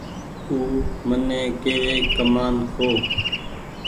او مني ڪيوي ڪمآن کو